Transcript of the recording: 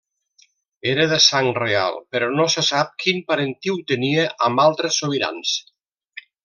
Era de sang reial però no se sap quin parentiu tenia amb altres sobirans.